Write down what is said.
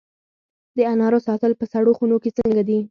د انارو ساتل په سړو خونو کې څنګه دي؟